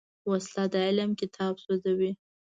وسله د علم کتاب سوځوي